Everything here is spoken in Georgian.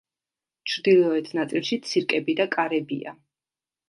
ჩრდილოეთ ნაწილში ცირკები და კარებია.